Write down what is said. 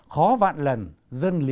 khó vạn lần dân lợi